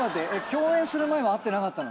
共演する前は会ってなかったのに？